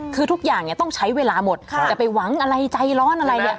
คือทุกอย่างเนี่ยต้องใช้เวลาหมดจะไปหวังอะไรใจร้อนอะไรเนี่ย